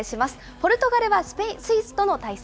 ポルトガルはスイスとの対戦。